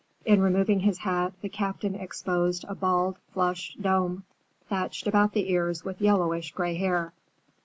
In removing his hat, the Captain exposed a bald, flushed dome, thatched about the ears with yellowish gray hair.